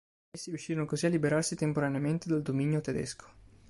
Essi riuscirono così a liberarsi temporaneamente dal dominio tedesco.